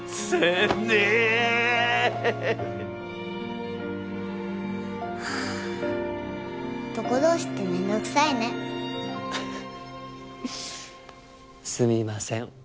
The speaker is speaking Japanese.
すみません。